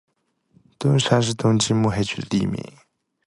东山是东京都目黑区的地名。